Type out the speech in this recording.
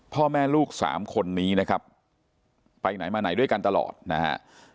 พ่อแม่ลูกสามคนนี้นะครับไปไหนมาไหนด้วยกันตลอดนะฮะ